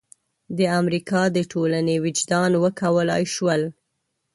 د امریکا د ټولنې وجدان وکولای شول.